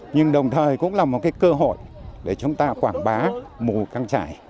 nhưng đồng thời cũng là một cái cơ hội để chúng ta quảng bá mù căng trải